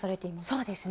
そうですね。